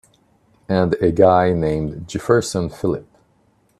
And a guy named Jefferson Phillip.